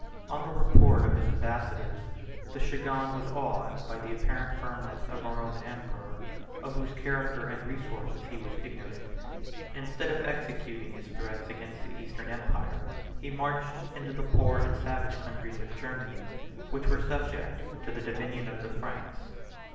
6 On the report of his ambassadors, the chagan was awed by the apparent firmness of a Roman emperor of whose character and resources he was ignorant. Instead of executing his threats against the Eastern empire, he marched into the poor and savage countries of Germany, which were subject to the dominion of the Franks.